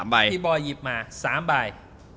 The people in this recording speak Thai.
พี่บอยหยิบมา๓ใบ